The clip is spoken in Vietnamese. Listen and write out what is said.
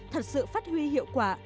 thật sự phát huy hiệu quả